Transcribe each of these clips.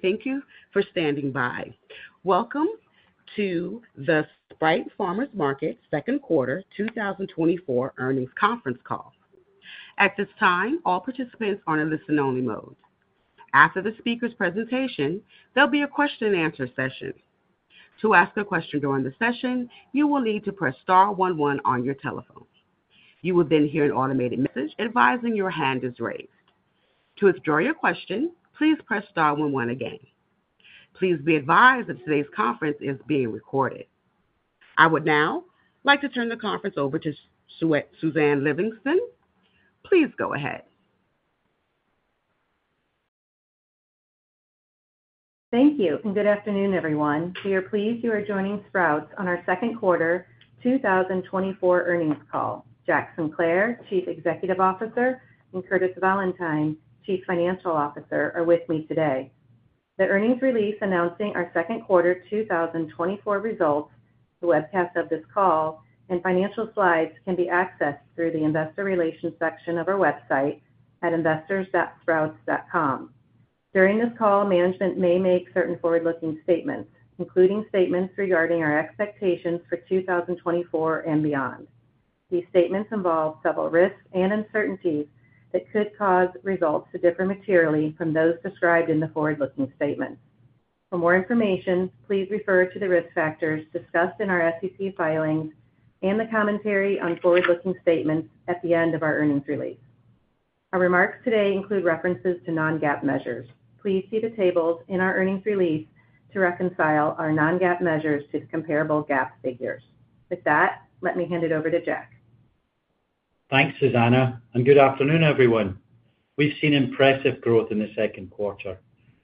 Thank you for standing by. Welcome to the Sprouts Farmers Market second quarter 2024 earnings conference call. At this time, all participants are in listen-only mode. After the speaker's presentation, there'll be a question-and-answer session. To ask a question during the session, you will need to press star one one on your telephone. You will then hear an automated message advising your hand is raised. To withdraw your question, please press star one one again. Please be advised that today's conference is being recorded. I would now like to turn the conference over to Suzanne Livingston. Please go ahead. Thank you, and good afternoon, everyone. We are pleased you are joining Sprouts on our second quarter 2024 earnings call. Jack Sinclair, Chief Executive Officer, and Curtis Valentine, Chief Financial Officer, are with me today. The earnings release announcing our second quarter 2024 results, the webcast of this call, and financial slides can be accessed through the investor relations section of our website at investors.sprouts.com. During this call, management may make certain forward-looking statements, including statements regarding our expectations for 2024 and beyond. These statements involve several risks and uncertainties that could cause results to differ materially from those described in the forward-looking statements. For more information, please refer to the risk factors discussed in our SEC filings and the commentary on forward-looking statements at the end of our earnings release. Our remarks today include references to Non-GAAP measures. Please see the tables in our earnings release to reconcile our non-GAAP measures to comparable GAAP figures. With that, let me hand it over to Jack. Thanks, Suzanne, and good afternoon, everyone. We've seen impressive growth in the second quarter.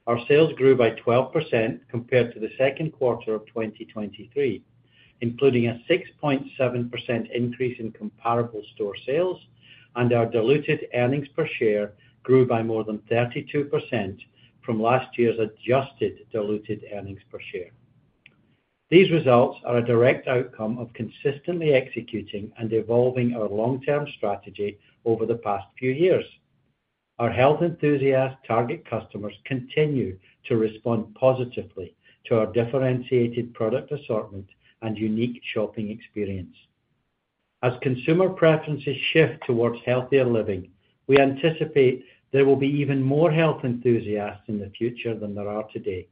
Our sales grew by 12% compared to the second quarter of 2023, including a 6.7% increase in comparable store sales, and our diluted earnings per share grew by more than 32% from last year's adjusted diluted earnings per share. These results are a direct outcome of consistently executing and evolving our long-term strategy over the past few years. Our health enthusiast target customers continue to respond positively to our differentiated product assortment and unique shopping experience. As consumer preferences shift towards healthier living, we anticipate there will be even more health enthusiasts in the future than there are today,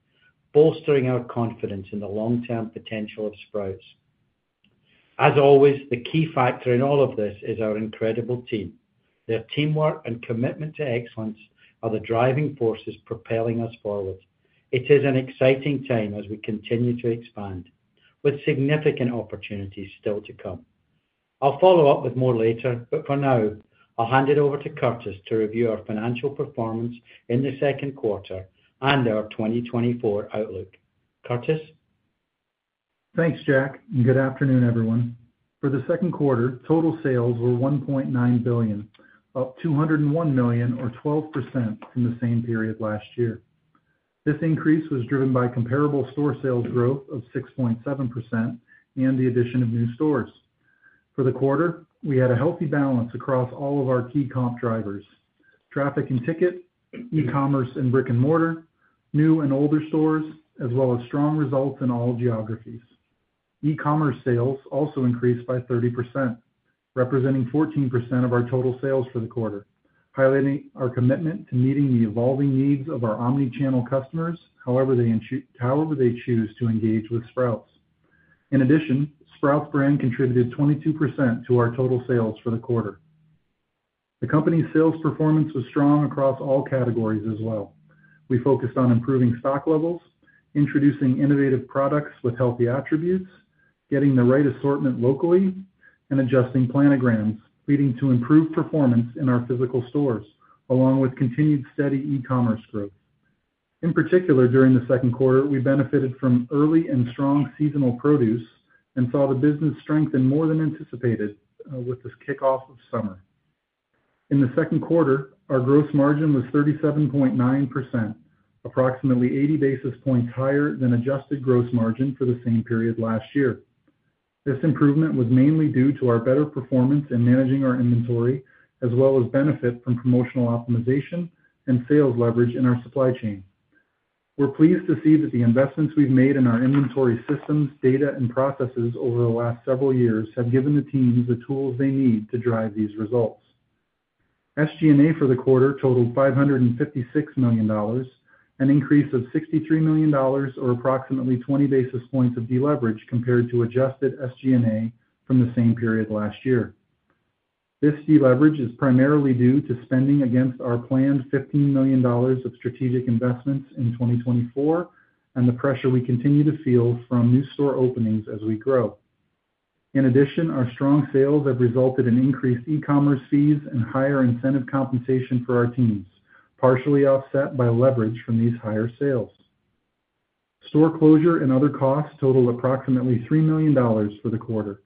bolstering our confidence in the long-term potential of Sprouts. As always, the key factor in all of this is our incredible team. Their teamwork and commitment to excellence are the driving forces propelling us forward. It is an exciting time as we continue to expand, with significant opportunities still to come. I'll follow up with more later, but for now, I'll hand it over to Curtis to review our financial performance in the second quarter and our 2024 outlook. Curtis? Thanks, Jack, and good afternoon, everyone. For the second quarter, total sales were $1.9 billion, up $201 million or 12% from the same period last year. This increase was driven by comparable store sales growth of 6.7% and the addition of new stores. For the quarter, we had a healthy balance across all of our key comp drivers, traffic and ticket, e-commerce and brick-and-mortar, new and older stores, as well as strong results in all geographies. E-commerce sales also increased by 30%, representing 14% of our total sales for the quarter, highlighting our commitment to meeting the evolving needs of our omni-channel customers, however they choose to engage with Sprouts. In addition, Sprouts Brand contributed 22% to our total sales for the quarter. The company's sales performance was strong across all categories as well. We focused on improving stock levels, introducing innovative products with healthy attributes, getting the right assortment locally, and adjusting planograms, leading to improved performance in our physical stores, along with continued steady e-commerce growth. In particular, during the second quarter, we benefited from early and strong seasonal produce and saw the business strengthen more than anticipated, with this kickoff of summer. In the second quarter, our gross margin was 37.9%, approximately 80 basis points higher than adjusted gross margin for the same period last year. This improvement was mainly due to our better performance in managing our inventory, as well as benefit from promotional optimization and sales leverage in our supply chain. We're pleased to see that the investments we've made in our inventory systems, data, and processes over the last several years have given the teams the tools they need to drive these results. SG&A for the quarter totaled $556 million, an increase of $63 million or approximately 20 basis points of deleverage compared to adjusted SG&A from the same period last year. This deleverage is primarily due to spending against our planned $15 million of strategic investments in 2024 and the pressure we continue to feel from new store openings as we grow. In addition, our strong sales have resulted in increased e-commerce fees and higher incentive compensation for our teams, partially offset by leverage from these higher sales. Store closure and other costs total approximately $3 million for the quarter.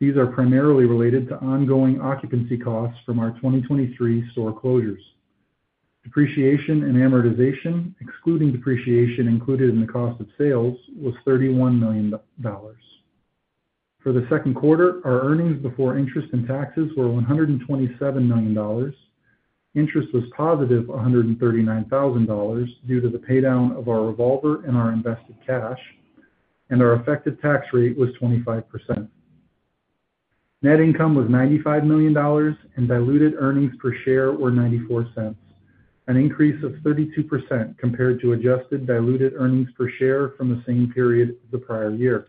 These are primarily related to ongoing occupancy costs from our 2023 store closures. Depreciation and amortization, excluding depreciation included in the cost of sales, was $31 million. For the second quarter, our earnings before interest and taxes were $127 million. Interest was positive, $139,000, due to the paydown of our revolver and our invested cash, and our effective tax rate was 25%. Net income was $95 million, and diluted earnings per share were $0.94, an increase of 32% compared to adjusted diluted earnings per share from the same period the prior year.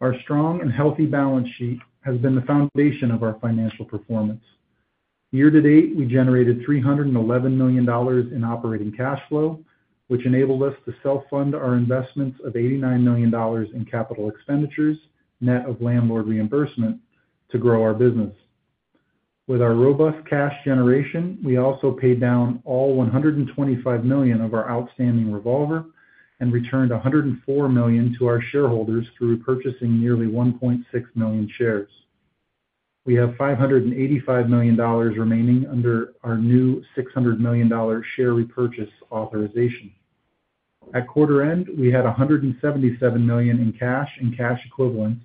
Our strong and healthy balance sheet has been the foundation of our financial performance. Year to date, we generated $311 million in operating cash flow, which enabled us to self-fund our investments of $89 million in capital expenditures, net of landlord reimbursement to grow our business. With our robust cash generation, we also paid down all $125 million of our outstanding revolver and returned $104 million to our shareholders through purchasing nearly 1.6 million shares. We have $585 million remaining under our new $600 million share repurchase authorization. At quarter end, we had $177 million in cash and cash equivalents,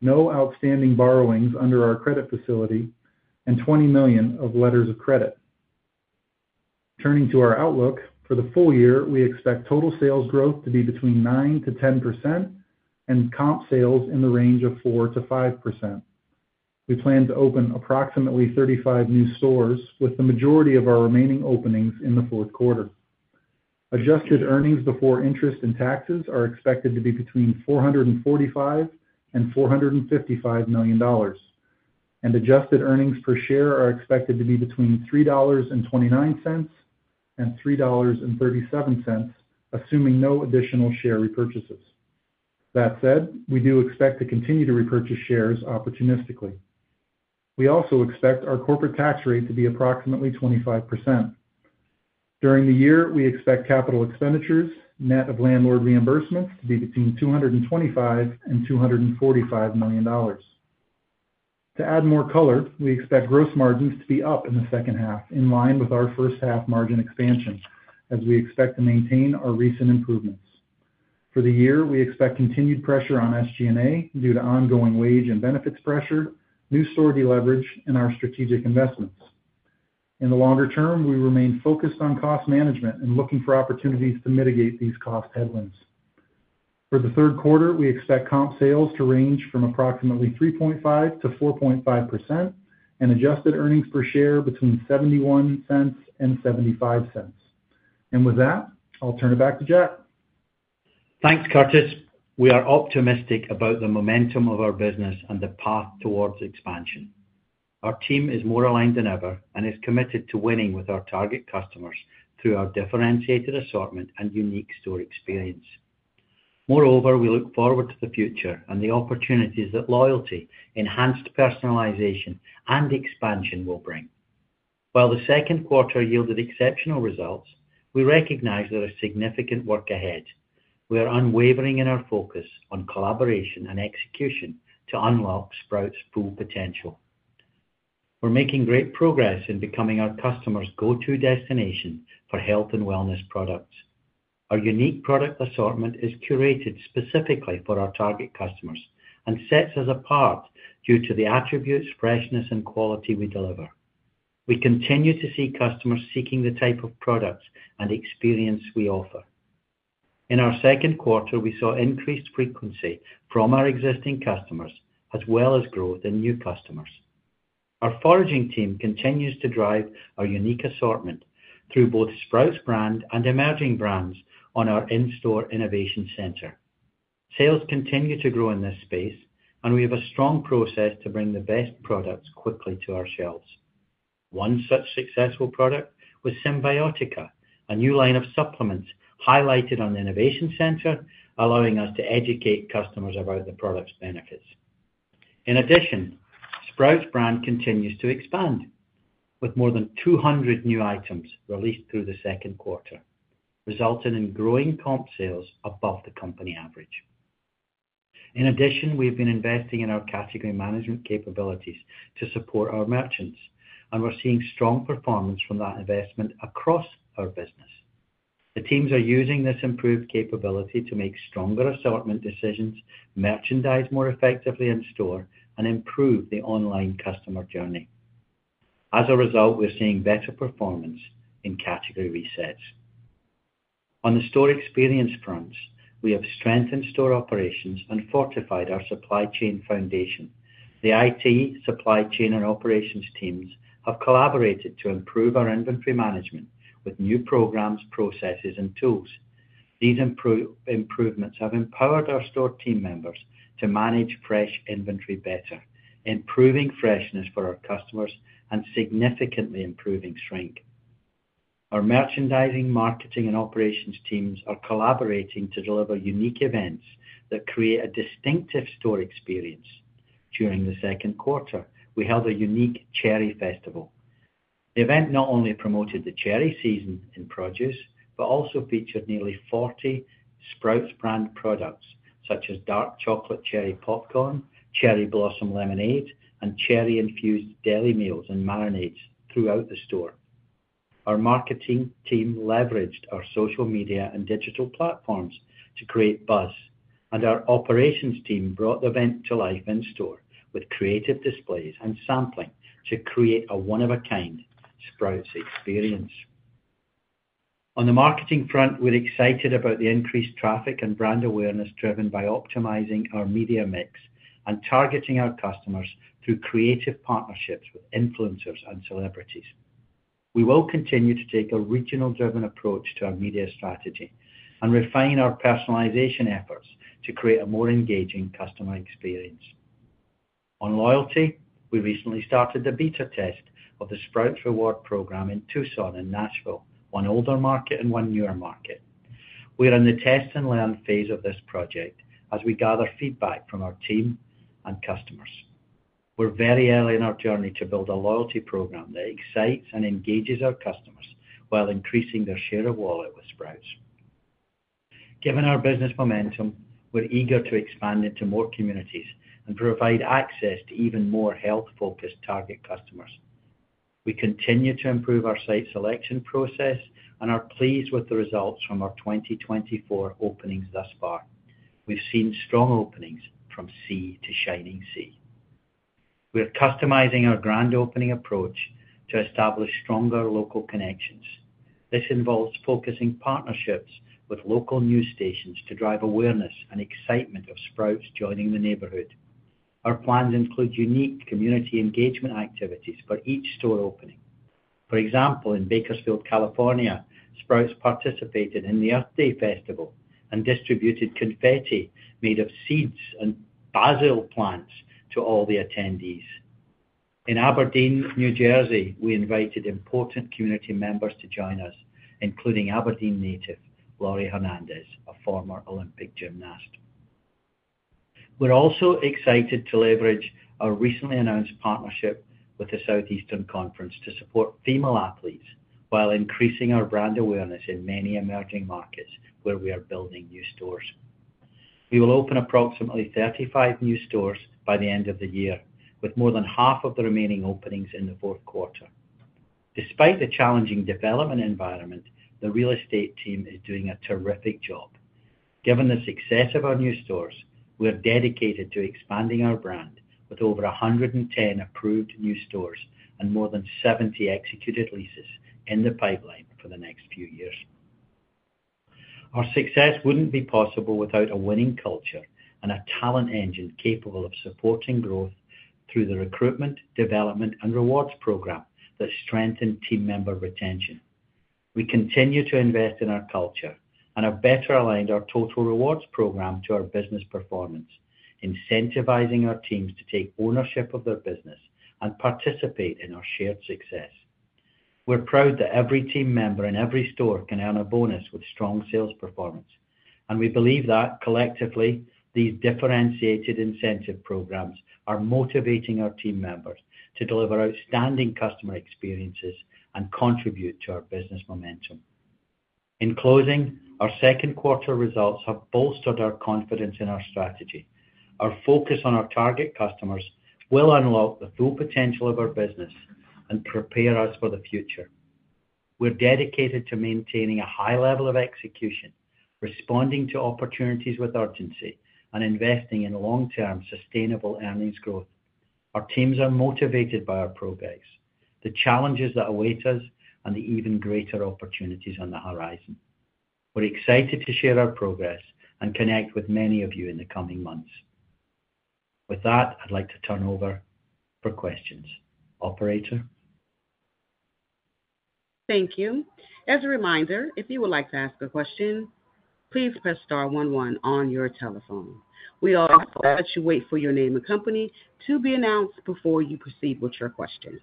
no outstanding borrowings under our credit facility, and $20 million of letters of credit. Turning to our outlook, for the full year, we expect total sales growth to be between 9%-10% and comp sales in the range of 4%-5%. We plan to open approximately 35 new stores, with the majority of our remaining openings in the fourth quarter. Adjusted earnings before interest and taxes are expected to be between $445 million and $455 million, and adjusted earnings per share are expected to be between $3.29 and $3.37, assuming no additional share repurchases. That said, we do expect to continue to repurchase shares opportunistically. We also expect our corporate tax rate to be approximately 25%. During the year, we expect capital expenditures, net of landlord reimbursements, to be between $225 million and $245 million. To add more color, we expect gross margins to be up in the second half, in line with our first half margin expansion, as we expect to maintain our recent improvements. For the year, we expect continued pressure on SG&A due to ongoing wage and benefits pressure, new store deleverage, and our strategic investments. In the longer term, we remain focused on cost management and looking for opportunities to mitigate these cost headwinds. For the third quarter, we expect comp sales to range from approximately 3.5%-4.5% and adjusted earnings per share between $0.71 and $0.75. With that, I'll turn it back to Jack. Thanks, Curtis. We are optimistic about the momentum of our business and the path towards expansion. Our team is more aligned than ever and is committed to winning with our target customers through our differentiated assortment and unique store experience. Moreover, we look forward to the future and the opportunities that loyalty, enhanced personalization, and expansion will bring. While the second quarter yielded exceptional results, we recognize there is significant work ahead. We are unwavering in our focus on collaboration and execution to unlock Sprouts' full potential. We're making great progress in becoming our customers' go-to destination for health and wellness products. Our unique product assortment is curated specifically for our target customers and sets us apart due to the attributes, freshness, and quality we deliver. We continue to see customers seeking the type of products and experience we offer. In our second quarter, we saw increased frequency from our existing customers, as well as growth in new customers. Our foraging team continues to drive our unique assortment through both Sprouts Brand and emerging brands on our in-store innovation center. Sales continue to grow in this space, and we have a strong process to bring the best products quickly to our shelves. One such successful product was Cymbiotika, a new line of supplements highlighted on the innovation center, allowing us to educate customers about the product's benefits. In addition, Sprouts Brand continues to expand, with more than 200 new items released through the second quarter, resulting in growing comp sales above the company average. In addition, we've been investing in our category management capabilities to support our merchants, and we're seeing strong performance from that investment across our business. The teams are using this improved capability to make stronger assortment decisions, merchandise more effectively in store, and improve the online customer journey. As a result, we're seeing better performance in category resets. On the store experience fronts, we have strengthened store operations and fortified our supply chain foundation. The IT, supply chain, and operations teams have collaborated to improve our inventory management with new programs, processes, and tools. These improvements have empowered our store team members to manage fresh inventory better, improving freshness for our customers and significantly improving shrink. Our merchandising, marketing, and operations teams are collaborating to deliver unique events that create a distinctive store experience. During the second quarter, we held a unique cherry festival. The event not only promoted the cherry season in produce, but also featured nearly 40 Sprouts Brand products, such as Dark Chocolate Cherry Popcorn, Cherry Blossom Lemonade, and cherry-infused deli meals and marinades throughout the store. Our marketing team leveraged our social media and digital platforms to create buzz, and our operations team brought the event to life in store with creative displays and sampling to create a one-of-a-kind Sprouts experience. On the marketing front, we're excited about the increased traffic and brand awareness driven by optimizing our media mix and targeting our customers through creative partnerships with influencers and celebrities. We will continue to take a regional-driven approach to our media strategy and refine our personalization efforts to create a more engaging customer experience. On loyalty, we recently started the beta test of the Sprouts Rewards program in Tucson and Nashville, one older market and one newer market. We are in the test and learn phase of this project as we gather feedback from our team and customers. We're very early in our journey to build a loyalty program that excites and engages our customers while increasing their share of wallet with Sprouts. Given our business momentum, we're eager to expand into more communities and provide access to even more health-focused target customers. We continue to improve our site selection process and are pleased with the results from our 2024 openings thus far. We've seen strong openings from sea to shining sea. We are customizing our grand opening approach to establish stronger local connections. This involves focusing partnerships with local news stations to drive awareness and excitement of Sprouts joining the neighborhood. Our plans include unique community engagement activities for each store opening. For example, in Bakersfield, California, Sprouts participated in the Earth Day Festival and distributed confetti made of seeds and basil plants to all the attendees. In Aberdeen, New Jersey, we invited important community members to join us, including Aberdeen native Laurie Hernandez, a former Olympic gymnast. We're also excited to leverage our recently announced partnership with the Southeastern Conference to support female athletes while increasing our brand awareness in many emerging markets where we are building new stores. We will open approximately 35 new stores by the end of the year, with more than half of the remaining openings in the fourth quarter. Despite the challenging development environment, the real estate team is doing a terrific job. Given the success of our new stores, we're dedicated to expanding our brand with over 110 approved new stores and more than 70 executed leases in the pipeline for the next few years. Our success wouldn't be possible without a winning culture and a talent engine capable of supporting growth through the recruitment, development, and rewards program that strengthen team member retention. We continue to invest in our culture and have better aligned our total rewards program to our business performance, incentivizing our teams to take ownership of their business and participate in our shared success. We're proud that every team member in every store can earn a bonus with strong sales performance, and we believe that collectively, these differentiated incentive programs are motivating our team members to deliver outstanding customer experiences and contribute to our business momentum. In closing, our second quarter results have bolstered our confidence in our strategy. Our focus on our target customers will unlock the full potential of our business and prepare us for the future. We're dedicated to maintaining a high level of execution, responding to opportunities with urgency, and investing in long-term, sustainable earnings growth. Our teams are motivated by our progress, the challenges that await us, and the even greater opportunities on the horizon. We're excited to share our progress and connect with many of you in the coming months. With that, I'd like to turn over for questions. Operator? Thank you. As a reminder, if you would like to ask a question, please press star one one on your telephone. We also ask that you wait for your name and company to be announced before you proceed with your question.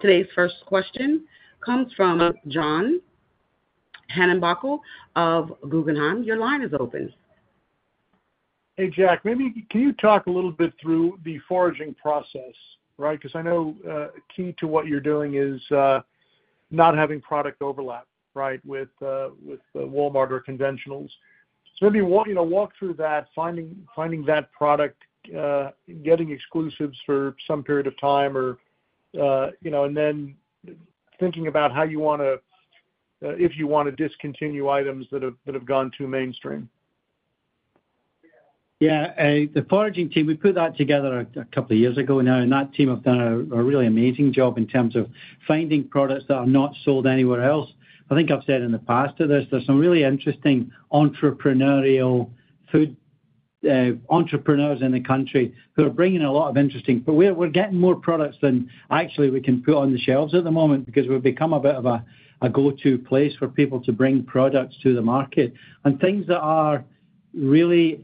Today's first question comes from John Heinbockel of Guggenheim. Your line is open. Hey, Jack, maybe can you talk a little bit through the foraging process, right? Because I know, key to what you're doing is not having product overlap, right, with with Walmart or conventionals. So maybe walk, you know, walk through that, finding, finding that product, getting exclusives for some period of time or, you know, and then thinking about how you wanna, if you wanna discontinue items that have, that have gone too mainstream. Yeah, the foraging team, we put that together a couple of years ago now, and that team have done a really amazing job in terms of finding products that are not sold anywhere else. I think I've said in the past to this, there's some really interesting entrepreneurial food entrepreneurs in the country who are bringing a lot of interesting-- but we're getting more products than actually we can put on the shelves at the moment because we've become a bit of a go-to place for people to bring products to the market. And things that are really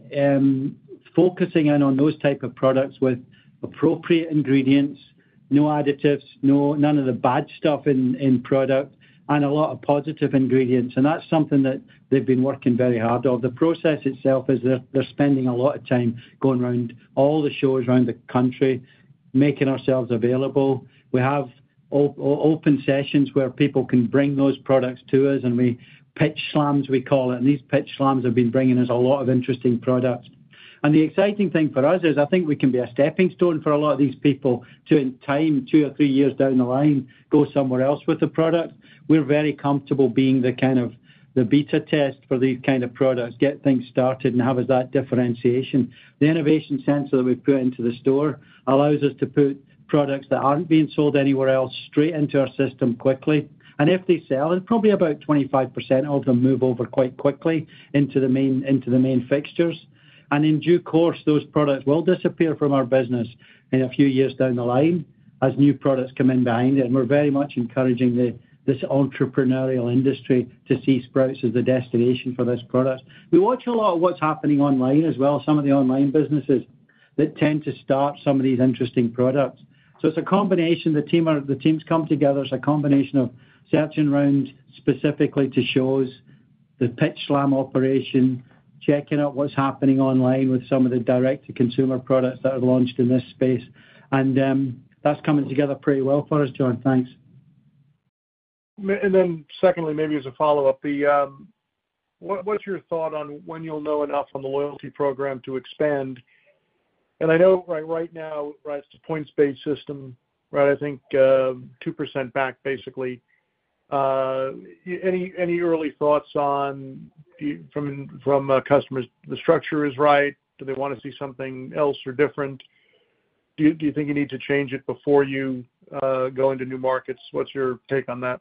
focusing in on those type of products with appropriate ingredients, no additives, no-- none of the bad stuff in product, and a lot of positive ingredients. And that's something that they've been working very hard on. The process itself is, they're spending a lot of time going around all the shows around the country, making ourselves available. We have open sessions where people can bring those products to us, and we pitch slams, we call it. And these pitch slams have been bringing us a lot of interesting products. And the exciting thing for us is, I think we can be a stepping stone for a lot of these people to, in time, two or three years down the line, go somewhere else with the product. We're very comfortable being the kind of the beta test for these kind of products, get things started, and have as that differentiation. The innovation center that we've put into the store allows us to put products that aren't being sold anywhere else straight into our system quickly. If they sell, probably about 25% of them move over quite quickly into the main, into the main fixtures. In due course, those products will disappear from our business in a few years down the line as new products come in behind it. We're very much encouraging this entrepreneurial industry to see Sprouts as the destination for this product. We watch a lot of what's happening online as well, some of the online businesses that tend to start some of these interesting products. So it's a combination, the teams come together. It's a combination of searching around, specifically to shows, the pitch slam operation, checking out what's happening online with some of the direct-to-consumer products that have launched in this space. That's coming together pretty well for us, John. Thanks. And then secondly, maybe as a follow-up, the, what, what's your thought on when you'll know enough on the loyalty program to expand? And I know by right now, right, it's a points-based system, right, I think, 2% back, basically. Any early thoughts on the... from customers, the structure is right? Do they wanna see something else or different? Do you think you need to change it before you go into new markets? What's your take on that?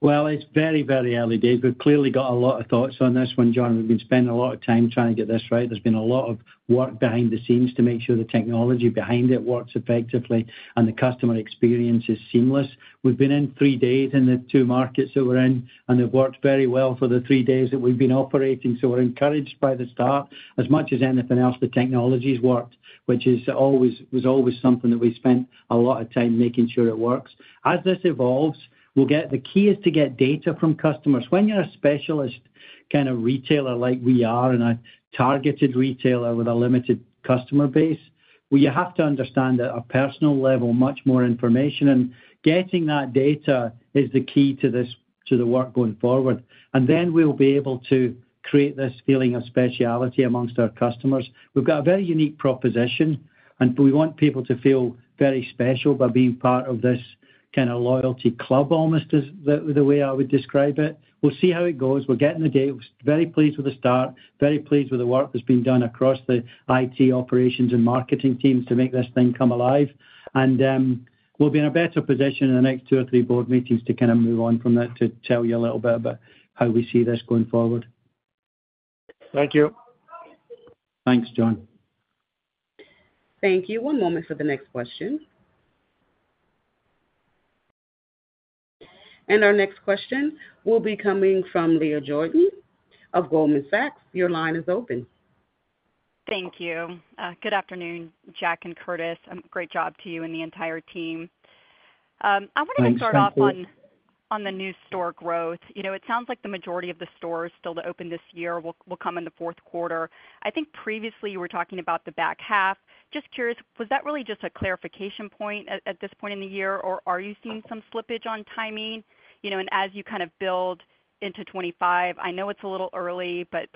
Well, it's very, very early days. We've clearly got a lot of thoughts on this one, John. We've been spending a lot of time trying to get this right. There's been a lot of work behind the scenes to make sure the technology behind it works effectively and the customer experience is seamless. We've been in three days in the two markets that we're in, and they've worked very well for the three days that we've been operating, so we're encouraged by the start. As much as anything else, the technology's worked, which is always, was always something that we spent a lot of time making sure it works. As this evolves, we'll get, the key is to get data from customers. When you're a specialist kind of retailer like we are, and a targeted retailer with a limited customer base, well, you have to understand at a personal level much more information. Getting that data is the key to this, to the work going forward. Then we'll be able to create this feeling of specialty amongst our customers. We've got a very unique proposition, and we want people to feel very special about being part of this kind of loyalty club, almost is the, the way I would describe it. We'll see how it goes. We're getting the data. Very pleased with the start, very pleased with the work that's been done across the IT operations and marketing teams to make this thing come alive. We'll be in a better position in the next two or three board meetings to kind of move on from that, to tell you a little bit about how we see this going forward. Thank you. Thanks, John. Thank you. One moment for the next question. And our next question will be coming from Leah Jordan of Goldman Sachs. Your line is open. Thank you. Good afternoon, Jack and Curtis, great job to you and the entire team. I wanted to start off- Thanks, Leah. On the new store growth. You know, it sounds like the majority of the stores still to open this year will come in the fourth quarter. I think previously, you were talking about the back half. Just curious, was that really just a clarification point at this point in the year, or are you seeing some slippage on timing? You know, and as you kind of build into 2025, I know it's a little early, but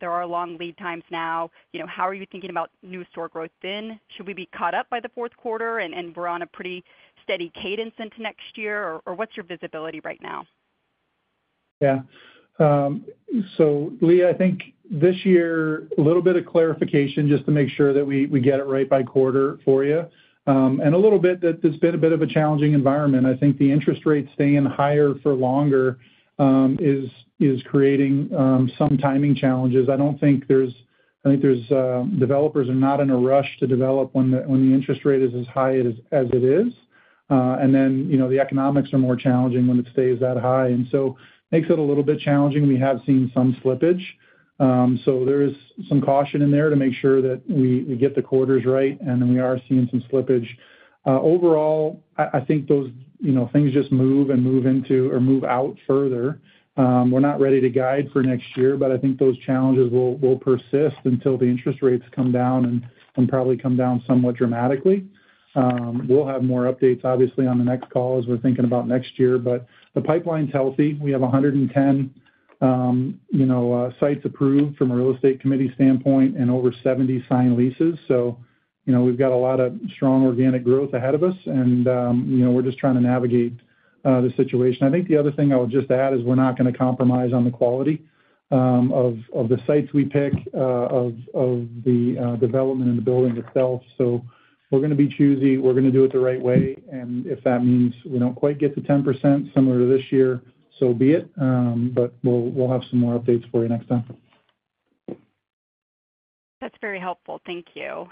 there are long lead times now. You know, how are you thinking about new store growth then? Should we be caught up by the fourth quarter and we're on a pretty steady cadence into next year, or what's your visibility right now? Yeah. So Leah, I think this year, a little bit of clarification just to make sure that we get it right by quarter for you. And a little bit, that it's been a bit of a challenging environment. I think the interest rates staying higher for longer is creating some timing challenges. I don't think there's. I think there's developers are not in a rush to develop when the interest rate is as high as it is. And then, you know, the economics are more challenging when it stays that high, and so makes it a little bit challenging. We have seen some slippage, so there is some caution in there to make sure that we get the quarters right, and then we are seeing some slippage. Overall, I think those, you know, things just move and move into or move out further. We're not ready to guide for next year, but I think those challenges will persist until the interest rates come down and probably come down somewhat dramatically. We'll have more updates, obviously, on the next call as we're thinking about next year, but the pipeline's healthy. We have 110, you know, sites approved from a real estate committee standpoint and over 70 signed leases. So, you know, we've got a lot of strong organic growth ahead of us, and we're just trying to navigate the situation. I think the other thing I would just add is we're not gonna compromise on the quality of the sites we pick, of the development and the building itself. So we're gonna be choosy, we're gonna do it the right way, and if that means we don't quite get to 10% similar to this year, so be it. But we'll have some more updates for you next time. That's very helpful. Thank you.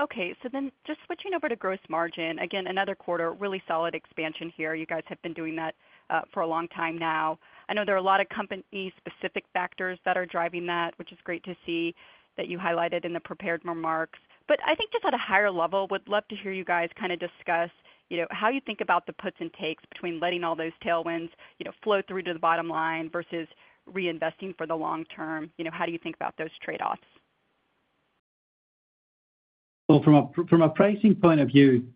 Okay, so then just switching over to gross margin. Again, another quarter, really solid expansion here. You guys have been doing that for a long time now. I know there are a lot of company-specific factors that are driving that, which is great to see that you highlighted in the prepared remarks. But I think just at a higher level, would love to hear you guys kind of discuss, you know, how you think about the puts and takes between letting all those tailwinds, you know, flow through to the bottom line versus reinvesting for the long term. You know, how do you think about those trade-offs?... Well, from a, from a pricing point of view,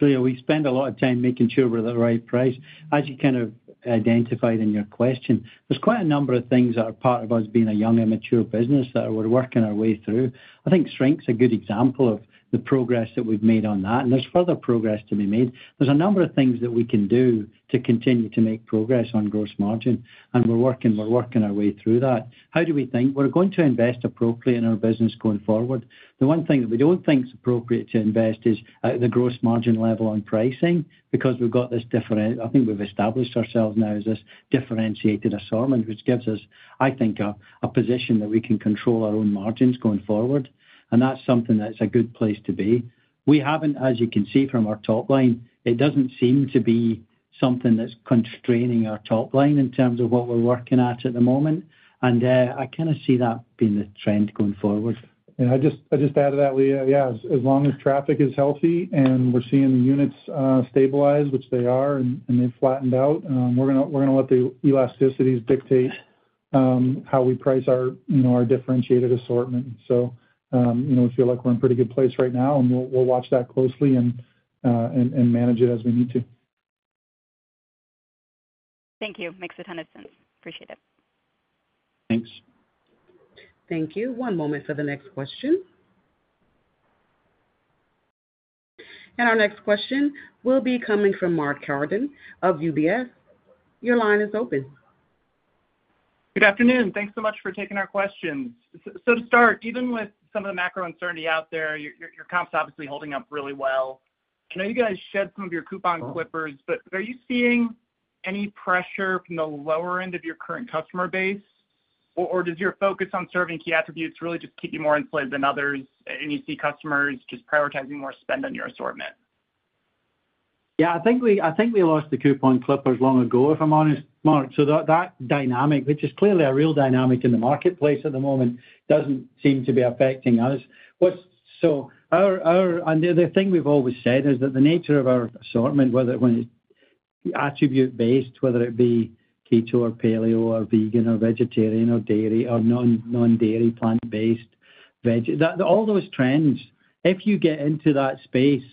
Leah, we spend a lot of time making sure we're at the right price. As you kind of identified in your question, there's quite a number of things that are part of us being a young and mature business that we're working our way through. I think shrink's a good example of the progress that we've made on that, and there's further progress to be made. There's a number of things that we can do to continue to make progress on gross margin, and we're working, we're working our way through that. How do we think? We're going to invest appropriately in our business going forward. The one thing that we don't think is appropriate to invest is at the gross margin level on pricing because we've got this different, I think we've established ourselves now as this differentiated assortment, which gives us, I think, a, a position that we can control our own margins going forward, and that's something that's a good place to be. We haven't, as you can see from our top line, it doesn't seem to be something that's constraining our top line in terms of what we're working at, at the moment, and, I kind of see that being the trend going forward. And I'd just, I'd just add to that, Leah, yeah, as, as long as traffic is healthy and we're seeing the units stabilize, which they are, and they've flattened out, we're gonna, we're gonna let the elasticities dictate how we price our, you know, our differentiated assortment. So, you know, we feel like we're in a pretty good place right now, and we'll watch that closely and manage it as we need to. Thank you. Makes a ton of sense. Appreciate it. Thanks. Thank you. One moment for the next question. Our next question will be coming from Mark Carden of UBS. Your line is open. Good afternoon. Thanks so much for taking our questions. So to start, even with some of the macro uncertainty out there, your comp's obviously holding up really well. I know you guys shed some of your coupon clippers, but are you seeing any pressure from the lower end of your current customer base, or does your focus on serving key attributes really just keep you more inflated than others, and you see customers just prioritizing more spend on your assortment? Yeah, I think we, I think we lost the coupon clippers long ago, if I'm honest, Mark. So that, that dynamic, which is clearly a real dynamic in the marketplace at the moment, doesn't seem to be affecting us. What's-- so our, our... And the, the thing we've always said is that the nature of our assortment, whether when it's attribute based, whether it be keto or paleo or vegan or vegetarian or dairy or non, non-dairy, plant-based veg, that all those trends, if you get into that space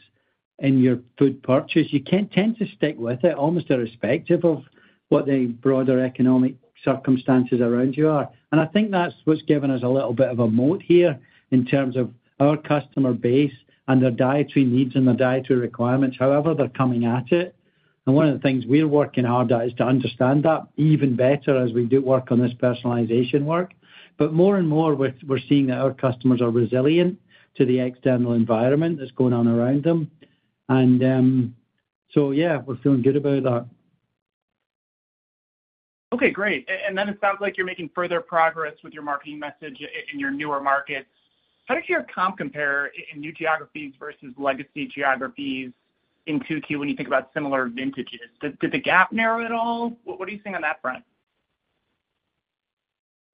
in your food purchase, you can't tend to stick with it, almost irrespective of what the broader economic circumstances around you are. And I think that's what's given us a little bit of a moat here in terms of our customer base and their dietary needs and their dietary requirements, however they're coming at it. One of the things we're working hard at is to understand that even better as we do work on this personalization work. But more and more, we're, we're seeing that our customers are resilient to the external environment that's going on around them. And, so yeah, we're feeling good about that. Okay, great. And then it sounds like you're making further progress with your marketing message in your newer markets. How does your comp compare in new geographies versus legacy geographies in 2Q when you think about similar vintages? Did the gap narrow at all? What are you seeing on that front?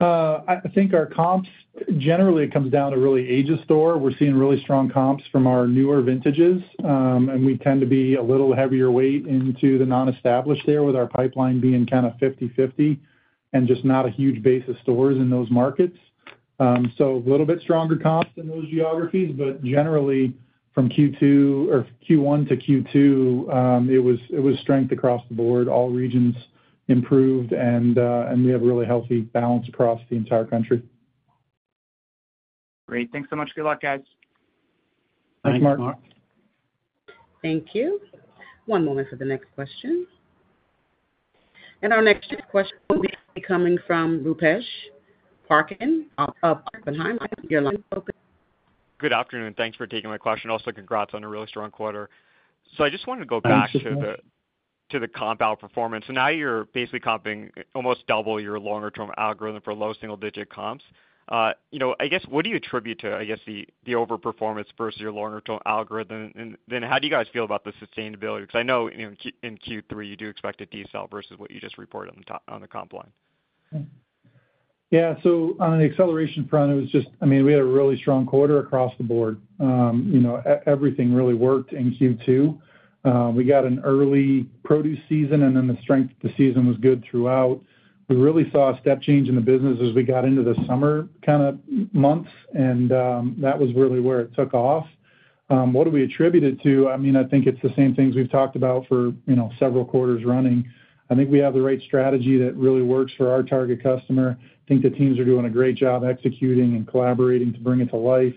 I think our comps generally comes down to really age of store. We're seeing really strong comps from our newer vintages, and we tend to be a little heavier weight into the non-established there, with our pipeline being kind of 50/50 and just not a huge base of stores in those markets. So a little bit stronger comps in those geographies, but generally from Q2 or Q1 to Q2, it was, it was strength across the board. All regions improved, and we have a really healthy balance across the entire country. Great. Thanks so much. Good luck, guys. Thanks, Mark. Thank you. One moment for the next question. Our next question will be coming from Rupesh Parikh of Oppenheimer & Co. Your line is open. Good afternoon. Thanks for taking my question. Also, congrats on a really strong quarter. So I just wanted to go back to the- Thanks. - to the comp outperformance. So now you're basically comping almost double your longer term algorithm for low single digit comps. You know, I guess what do you attribute to the overperformance versus your longer term algorithm? And then how do you guys feel about the sustainability? Because I know, you know, in Q3, you do expect a decel versus what you just reported on the comp line. Yeah. So on the acceleration front, it was just... I mean, we had a really strong quarter across the board. You know, everything really worked in Q2. We got an early produce season, and then the strength of the season was good throughout. We really saw a step change in the business as we got into the summer kind of months, and that was really where it took off. What do we attribute it to? I mean, I think it's the same things we've talked about for, you know, several quarters running. I think we have the right strategy that really works for our target customer. I think the teams are doing a great job executing and collaborating to bring it to life.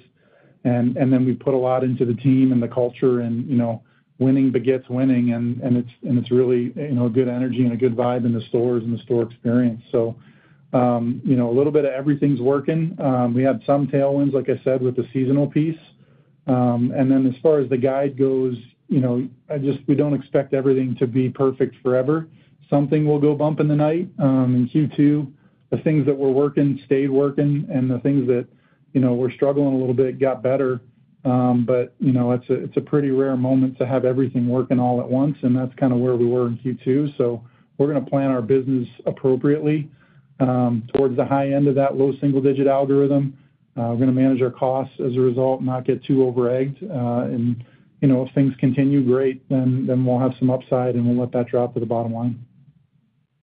Then we put a lot into the team and the culture and, you know, winning begets winning, and it's really, you know, a good energy and a good vibe in the stores and the store experience. So, you know, a little bit of everything's working. We have some tailwinds, like I said, with the seasonal piece. And then as far as the guide goes, you know, I just—we don't expect everything to be perfect forever. Something will go bump in the night. In Q2, the things that were working stayed working, and the things that, you know, were struggling a little bit, got better. But, you know, it's a pretty rare moment to have everything working all at once, and that's kind of where we were in Q2. So we're gonna plan our business appropriately, towards the high end of that low single digit algorithm. We're gonna manage our costs as a result, not get too over-egged, and, you know, if things continue, great, then, then we'll have some upside, and we'll let that drop to the bottom line....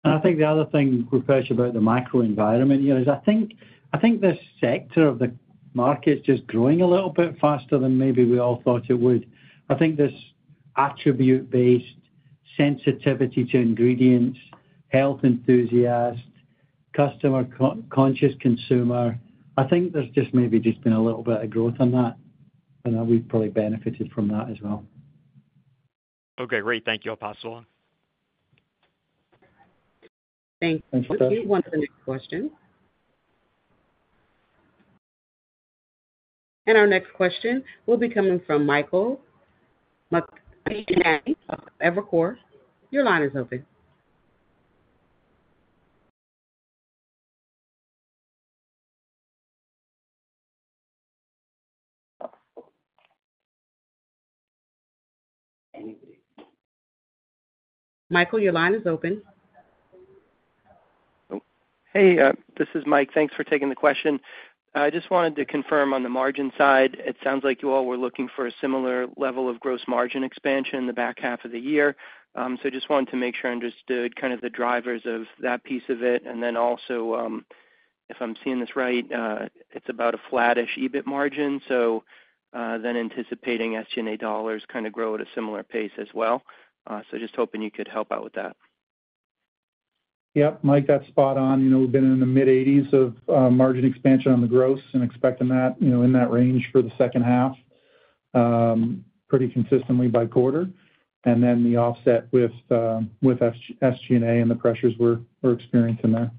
And I think the other thing we've mentioned about the macro environment here is I think, I think this sector of the market is just growing a little bit faster than maybe we all thought it would. I think this attribute-based sensitivity to ingredients, health enthusiast, customer conscious consumer, I think there's just maybe just been a little bit of growth on that, and we've probably benefited from that as well. Okay, great. Thank you, I'll pass along. Thank you. Who wants the next question? Our next question will be coming from Michael Montani of Evercore. Your line is open. Michael, your line is open. Hey, this is Mike. Thanks for taking the question. I just wanted to confirm on the margin side, it sounds like you all were looking for a similar level of gross margin expansion in the back half of the year. So just wanted to make sure I understood kind of the drivers of that piece of it. And then also, if I'm seeing this right, it's about a flattish EBIT margin, so, then anticipating SG&A dollars kinda grow at a similar pace as well. So just hoping you could help out with that. Yep, Mike, that's spot on. You know, we've been in the mid-80s of margin expansion on the gross and expecting that, you know, in that range for the second half, pretty consistently by quarter, and then the offset with, with SG&A and the pressures we're experiencing there.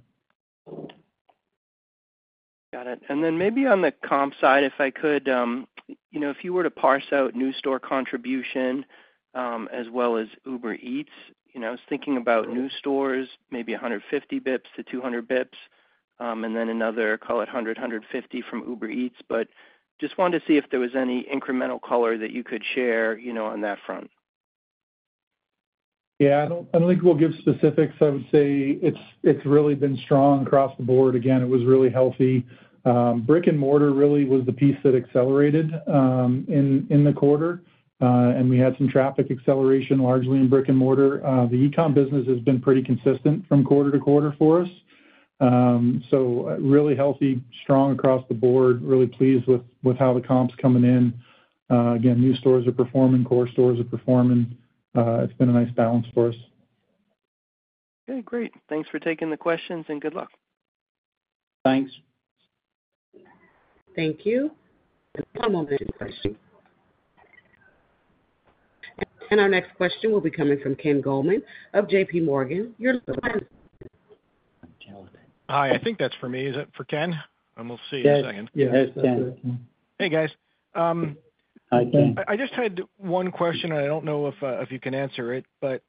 Got it. And then maybe on the comp side, if I could, you know, if you were to parse out new store contribution, as well as Uber Eats, you know, I was thinking about new stores, maybe 150-200 bps, and then another, call it 100-150 from Uber Eats. But just wanted to see if there was any incremental color that you could share, you know, on that front. Yeah, I don't think we'll give specifics. I would say it's really been strong across the board. Again, it was really healthy. Brick-and-mortar really was the piece that accelerated in the quarter, and we had some traffic acceleration, largely in brick-and-mortar. The e-com business has been pretty consistent from quarter to quarter for us. So really healthy, strong across the board, really pleased with how the comp's coming in. Again, new stores are performing, core stores are performing. It's been a nice balance for us. Okay, great. Thanks for taking the questions, and good luck. Thanks. Thank you. One more question. Our next question will be coming from Ken Goldman of J.P. Morgan. You're still on. Hi, I think that's for me. Is it for Ken? We'll see in a second. Yes, yeah, it's Ken. Hey, guys, Hi, Ken. I just had one question, and I don't know if you can answer it, but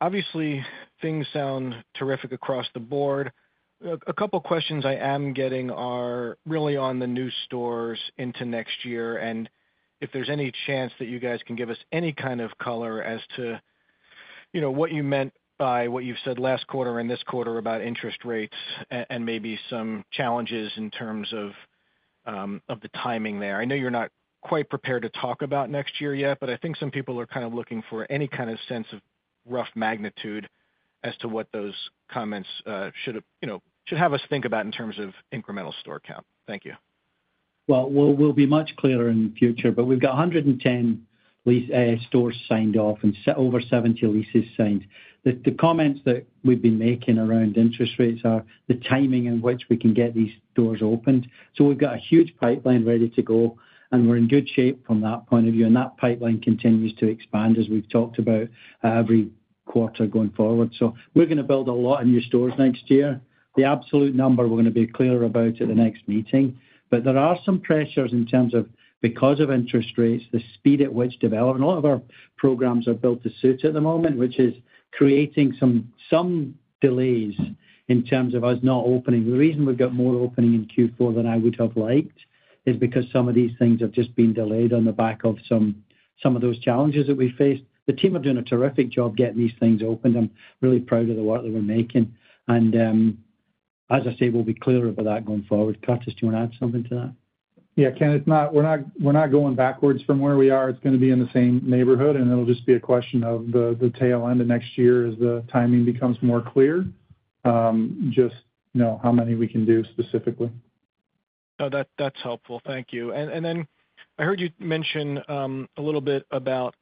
obviously, things sound terrific across the board. A couple of questions I am getting are really on the new stores into next year, and if there's any chance that you guys can give us any kind of color as to, you know, what you meant by what you've said last quarter and this quarter about interest rates and maybe some challenges in terms of the timing there. I know you're not quite prepared to talk about next year yet, but I think some people are kind of looking for any kind of sense of rough magnitude as to what those comments should have, you know, should have us think about in terms of incremental store count. Thank you. Well, we'll be much clearer in the future, but we've got 110 leased stores signed off and over 70 leases signed. The comments that we've been making around interest rates are the timing in which we can get these stores opened. So we've got a huge pipeline ready to go, and we're in good shape from that point of view, and that pipeline continues to expand, as we've talked about, every quarter going forward. So we're gonna build a lot of new stores next year. The absolute number, we're gonna be clearer about at the next meeting, but there are some pressures in terms of, because of interest rates, the speed at which development, a lot of our programs are built to suit at the moment, which is creating some delays in terms of us not opening. The reason we've got more opening in Q4 than I would have liked is because some of these things have just been delayed on the back of some of those challenges that we faced. The team are doing a terrific job getting these things opened. I'm really proud of the work that we're making, and, as I say, we'll be clearer about that going forward. Carter, do you want to add something to that? Yeah, Ken, it's not—we're not, we're not going backwards from where we are. It's gonna be in the same neighborhood, and it'll just be a question of the tail end of next year as the timing becomes more clear, just, you know, how many we can do specifically. No, that, that's helpful. Thank you. And, and then I heard you mention a little bit about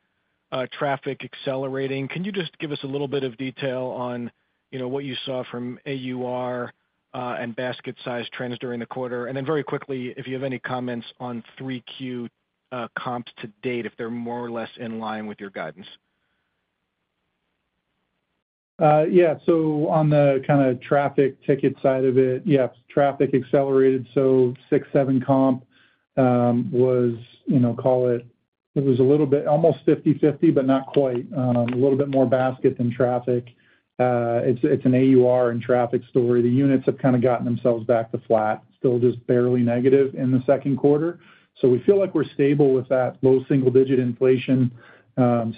traffic accelerating. Can you just give us a little bit of detail on, you know, what you saw from AUR and basket size trends during the quarter? And then very quickly, if you have any comments on 3Q comps to date, if they're more or less in line with your guidance. Yeah. So on the kinda traffic ticket side of it, yes, traffic accelerated, so 6, 7 comp, was, you know, call it... It was a little bit, almost 50/50, but not quite, a little bit more basket than traffic. It's an AUR and traffic story. The units have kind of gotten themselves back to flat, still just barely negative in the second quarter. So we feel like we're stable with that low single-digit inflation,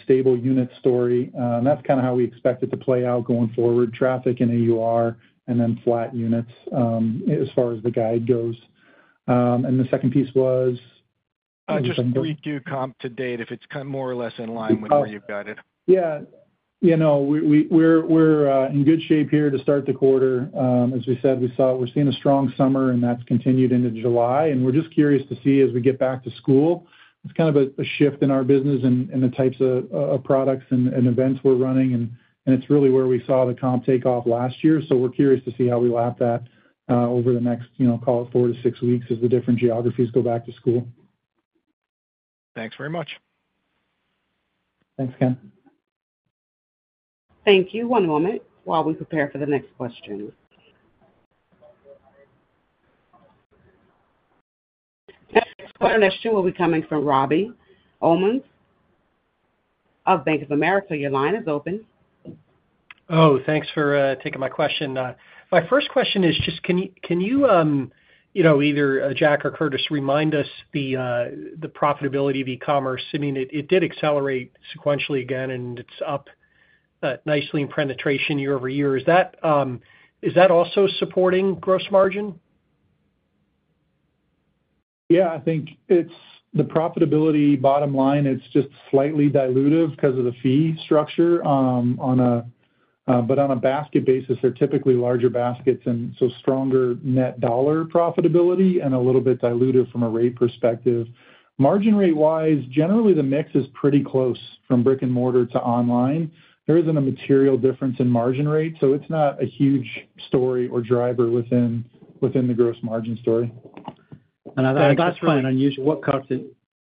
stable unit story, and that's kind of how we expect it to play out going forward, traffic and AUR, and then flat units, as far as the guide goes. And the second piece was?... Just a brief view comp to date, if it's kind of more or less in line with where you've guided. Yeah. You know, we're in good shape here to start the quarter. As we said, we saw—we're seeing a strong summer, and that's continued into July, and we're just curious to see as we get back to school, it's kind of a shift in our business and the types of products and events we're running, and it's really where we saw the comp take off last year. So we're curious to see how we lap that over the next, you know, call it four to six weeks as the different geographies go back to school. Thanks very much. Thanks, Ken. Thank you. One moment while we prepare for the next question. The next question will be coming from Robbie Ohmes of Bank of America. Your line is open. Oh, thanks for taking my question. My first question is just, can you, can you, you know, either Jack or Curtis, remind us the, the profitability of e-commerce? I mean, it, it did accelerate sequentially again, and it's up nicely in penetration year over year. Is that, is that also supporting gross margin? Yeah, I think it's the profitability bottom line. It's just slightly dilutive because of the fee structure, but on a basket basis, they're typically larger baskets, and so stronger net dollar profitability and a little bit dilutive from a rate perspective. Margin rate-wise, generally, the mix is pretty close from brick and mortar to online. There isn't a material difference in margin rate, so it's not a huge story or driver within the gross margin story. I think that's quite unusual.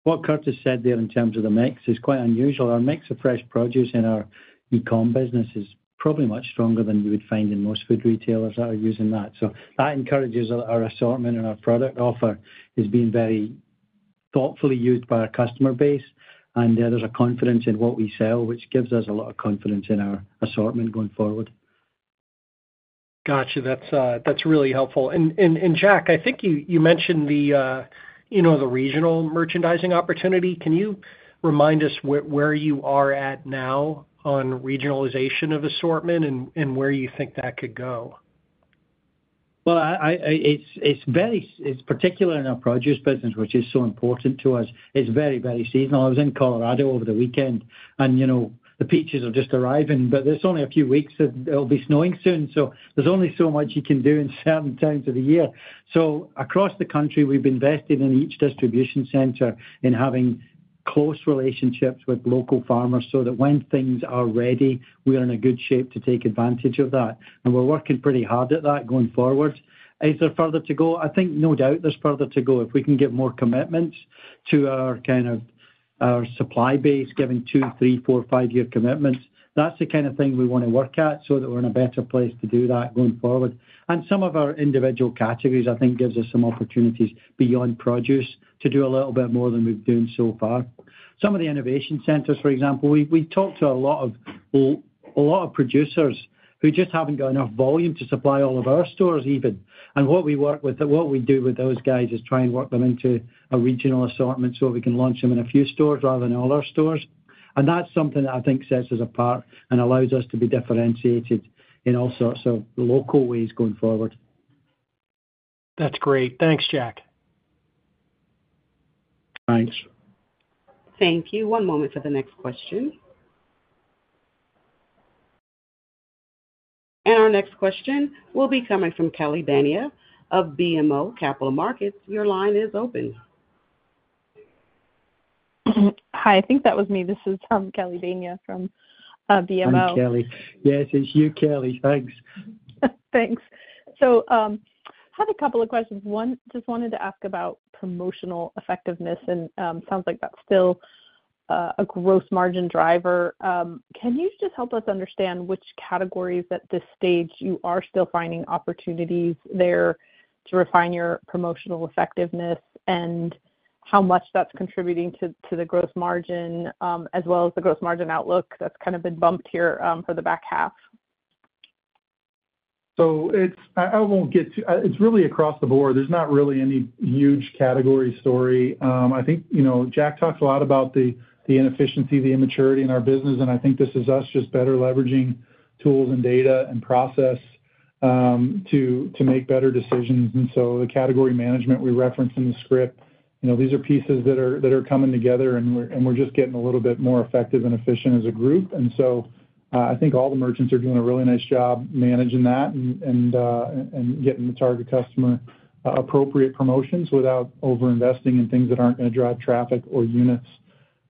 What Curtis said there in terms of the mix is quite unusual. Our mix of fresh produce in our e-com business is probably much stronger than you would find in most food retailers that are using that. So that encourages our assortment and our product offer is being very thoughtfully used by our customer base, and there's a confidence in what we sell, which gives us a lot of confidence in our assortment going forward. Gotcha. That's really helpful. And Jack, I think you mentioned the, you know, the regional merchandising opportunity. Can you remind us where you are at now on regionalization of assortment and where you think that could go? Well, it's very-- it's particular in our produce business, which is so important to us. It's very, very seasonal. I was in Colorado over the weekend, and, you know, the peaches are just arriving, but there's only a few weeks, and it'll be snowing soon. So there's only so much you can do in certain times of the year. So across the country, we've invested in each distribution center in having close relationships with local farmers so that when things are ready, we are in a good shape to take advantage of that. We're working pretty hard at that going forward. Is there further to go? I think no doubt there's further to go. If we can get more commitments to our kind of, our supply base, giving 2, 3, 4, 5-year commitments, that's the kind of thing we want to work at so that we're in a better place to do that going forward. And some of our individual categories, I think, gives us some opportunities beyond produce to do a little bit more than we've done so far. Some of the innovation centers, for example, we talked to a lot of producers who just haven't got enough volume to supply all of our stores even. And what we do with those guys is try and work them into a regional assortment, so we can launch them in a few stores rather than all our stores. That's something that I think sets us apart and allows us to be differentiated in all sorts of local ways going forward. That's great. Thanks, Jack. Thanks. Thank you. One moment for the next question. Our next question will be coming from Kelly Bania of BMO Capital Markets. Your line is open. Hi, I think that was me. This is Kelly Bania from BMO. Hi, Kelly. Yes, it's you, Kelly. Thanks. Thanks. So, I have a couple of questions. One, just wanted to ask about promotional effectiveness, and, sounds like that's still a growth margin driver. Can you just help us understand which categories at this stage you are still finding opportunities there to refine your promotional effectiveness and how much that's contributing to, to the growth margin, as well as the growth margin outlook that's kind of been bumped here, for the back half? It's really across the board. There's not really any huge category story. I think, you know, Jack talks a lot about the inefficiency, the immaturity in our business, and I think this is us just better leveraging tools and data and process to make better decisions. And so the category management we referenced in the script, you know, these are pieces that are coming together, and we're just getting a little bit more effective and efficient as a group. And so I think all the merchants are doing a really nice job managing that and getting the target customer appropriate promotions without overinvesting in things that aren't gonna drive traffic or units.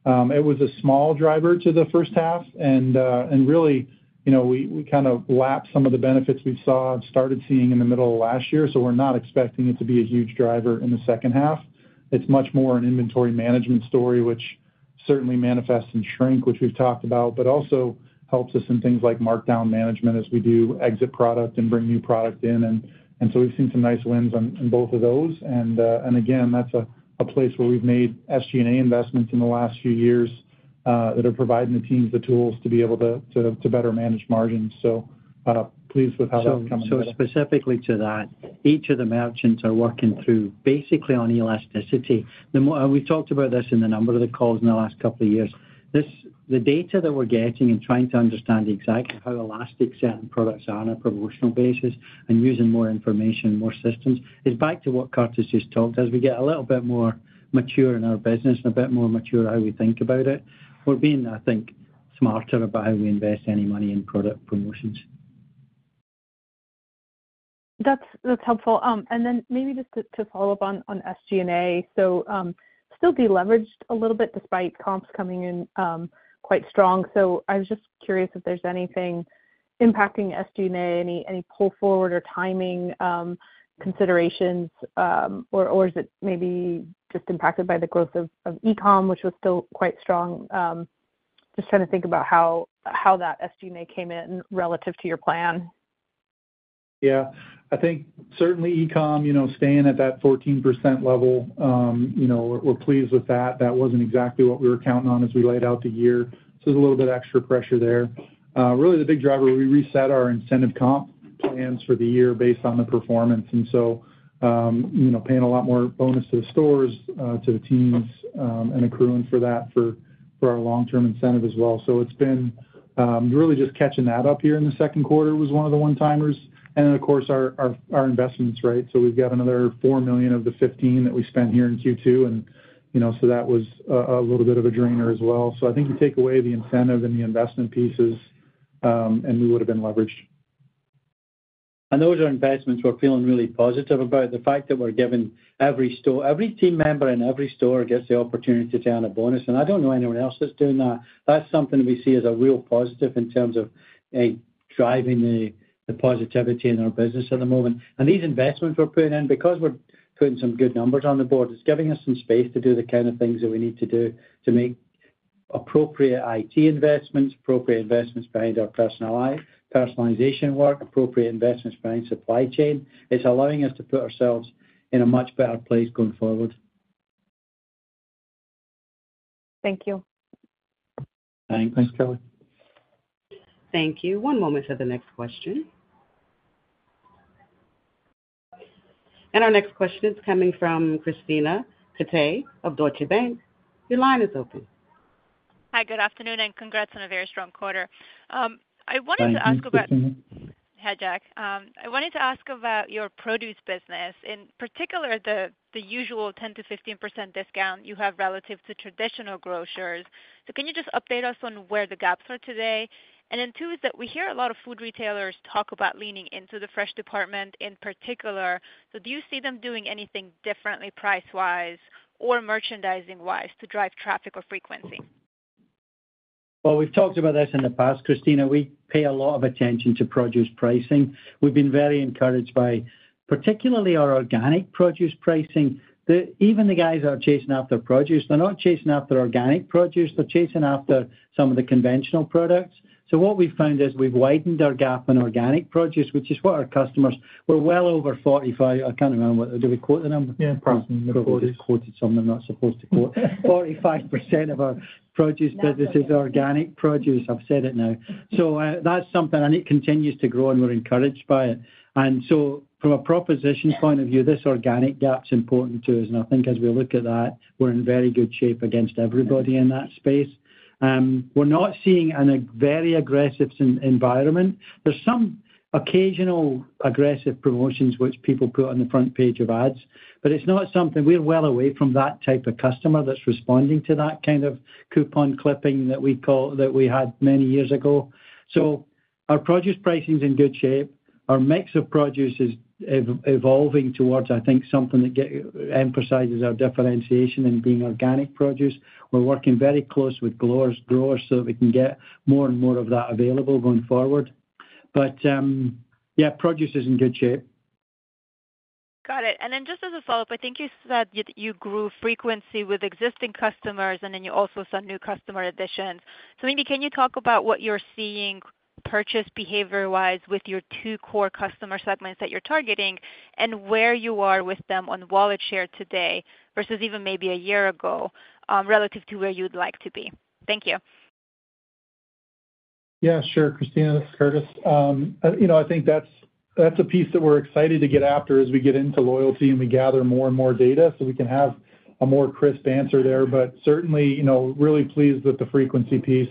It was a small driver to the first half, and and really, you know, we kind of lapped some of the benefits we saw and started seeing in the middle of last year, so we're not expecting it to be a huge driver in the second half. It's much more an inventory management story, which certainly manifests in shrink, which we've talked about, but also helps us in things like markdown management as we do exit product and bring new product in. And so we've seen some nice wins in both of those. And again, that's a place where we've made SG&A investments in the last few years that are providing the teams the tools to be able to better manage margins. So pleased with how that's coming together. So, specifically to that, each of the merchants are working through basically on elasticity. And we've talked about this in a number of the calls in the last couple of years. This, the data that we're getting and trying to understand exactly how elastic certain products are on a promotional basis and using more information, more systems, is back to what Curtis just talked. As we get a little bit more mature in our business and a bit more mature how we think about it, we're being, I think, smarter about how we invest any money in product promotions. That's helpful. And then maybe just to follow up on SG&A. Still deleveraged a little bit despite comps coming in quite strong. So I was just curious if there's anything impacting SG&A, any pull forward or timing considerations, or is it maybe just impacted by the growth of e-com, which was still quite strong? Just trying to think about how that SG&A came in relative to your plan. Yeah. I think certainly e-com, you know, staying at that 14% level, you know, we're, we're pleased with that. That wasn't exactly what we were counting on as we laid out the year, so there's a little bit extra pressure there. Really, the big driver, we reset our incentive comp plans for the year based on the performance, and so, you know, paying a lot more bonus to the stores, to the teams, and accruing for that for, for our long-term incentive as well. So it's been, really just catching that up here in the second quarter was one of the one-timers, and then, of course, our, our, our investments, right? So we've got another $4 million of the $15 that we spent here in Q2, and, you know, so that was a, a little bit of a drainer as well. OkSo I think you take away the incentive and the investment pieces, and we would have been leveraged. Those are investments we're feeling really positive about. The fact that we're giving every store, every team member in every store gets the opportunity to earn a bonus, and I don't know anyone else that's doing that. That's something we see as a real positive in terms of driving the positivity in our business at the moment. These investments we're putting in, because we're putting some good numbers on the board, it's giving us some space to do the kind of things that we need to do to make appropriate IT investments, appropriate investments behind our personalization work, appropriate investments behind supply chain. It's allowing us to put ourselves in a much better place going forward. Thank you. Thanks. Thanks, Kelly. Thank you. One moment for the next question. Our next question is coming from Krisztina Katai of Deutsche Bank. Your line is open. Hi, good afternoon, and congrats on a very strong quarter. I wanted to ask about- Thank you, Christina. Hi, Jack. I wanted to ask about your produce business, in particular, the usual 10%-15% discount you have relative to traditional grocers. So can you just update us on where the gaps are today? And then two is that we hear a lot of food retailers talk about leaning into the fresh department in particular. So do you see them doing anything differently price-wise or merchandising-wise to drive traffic or frequency? Well, we've talked about this in the past, Christina. We pay a lot of attention to produce pricing. We've been very encouraged by particularly our organic produce pricing, even the guys that are chasing after produce, they're not chasing after organic produce, they're chasing after some of the conventional products. So what we've found is we've widened our gap in organic produce, which is what our customers... We're well over 45. I can't remember, do we quote the number? Yeah, probably. Quoted some I'm not supposed to quote. 45% of our produce business is organic produce. I've said it now. So, that's something, and it continues to grow, and we're encouraged by it. And so from a proposition point of view, this organic gap's important to us, and I think as we look at that, we're in very good shape against everybody in that space. We're not seeing a very aggressive environment. There's some occasional aggressive promotions which people put on the front page of ads, but it's not something... We're well away from that type of customer that's responding to that kind of coupon clipping that we had many years ago. So our produce pricing is in good shape. Our mix of produce is evolving towards, I think, something that emphasizes our differentiation in being organic produce. We're working very close with growers, growers, so we can get more and more of that available going forward. But, yeah, produce is in good shape. Got it. And then just as a follow-up, I think you said that you grew frequency with existing customers, and then you also saw new customer additions. So maybe can you talk about what you're seeing purchase behavior-wise with your two core customer segments that you're targeting and where you are with them on wallet share today versus even maybe a year ago, relative to where you'd like to be? Thank you. Yeah, sure, Christina, this is Curtis. You know, I think that's a piece that we're excited to get after as we get into loyalty and we gather more and more data, so we can have a more crisp answer there. But certainly, you know, really pleased with the frequency piece.